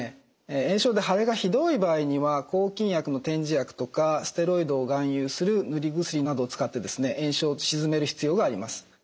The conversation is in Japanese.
炎症で腫れがひどい場合には抗菌薬の点耳薬とかステロイドを含有する塗り薬などを使って炎症を鎮める必要があります。